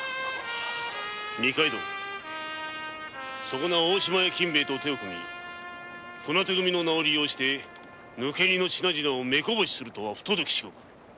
そこの大島屋金兵衛と手を組み船手組の名を利用して抜け荷の品々を目こぼしするとは不届き至極。